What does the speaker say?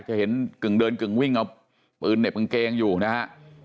จะเห็นกึ่งเดินกึ่งวิ่งเอาปืนเหน็บกางเกงอยู่นะฮะ